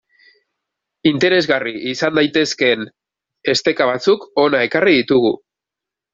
Interesgarri izan daitezkeen esteka batzuk hona ekarri ditugu.